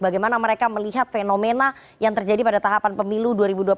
bagaimana mereka melihat fenomena yang terjadi pada tahapan pemilu dua ribu dua puluh